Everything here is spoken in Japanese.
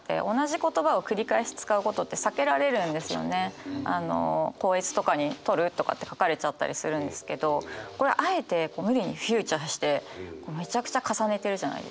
基本的には校閲とかに「取る？」とかって書かれちゃったりするんですけどこれあえて「無理」にフィーチャーしてめちゃくちゃ重ねてるじゃないですか。